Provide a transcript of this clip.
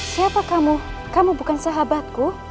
siapa kamu kamu bukan sahabatku